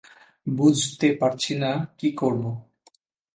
বুঝতে পারছি না কী করবো।